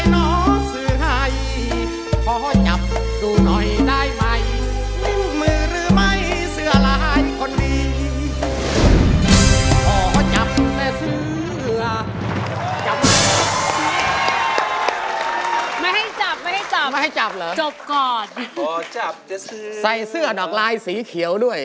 น้องใส่เสื้อดองลายสีเขียวด้วย